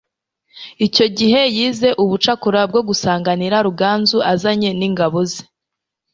Icyo gihe yize ubucakura bwo gusanganira Ruganzu azanye n'Ingabo ze,